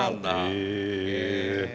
へえ。